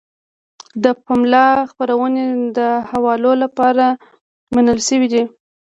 د پملا خپرونې د حوالو لپاره منل شوې دي.